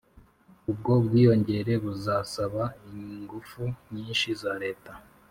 ubwo bwiyongere buzasaba ingufu nyinshi za leta.